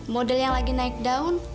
model yang lagi naik daun